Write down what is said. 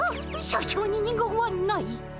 社長に二言はない。